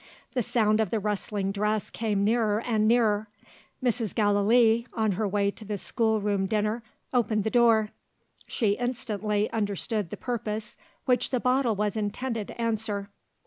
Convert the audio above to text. The sound of the rustling dress came nearer and nearer. Mrs. Gallilee (on her way to the schoolroom dinner) opened the door. She instantly understood the purpose which the bottle was intended to answer.